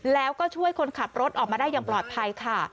แล้วก็ช่วยคนขับรถออกมาได้อย่างปลอดภัยค่ะ